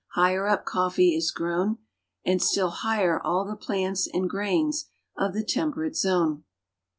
Higher up coffee is grown, and still ik^her all the plants and grains of the temperate zone.